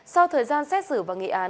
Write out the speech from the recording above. sau thời gian xét xử và nghị án